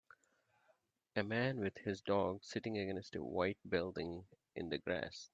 A man with his dog sitting against a white building in the grass.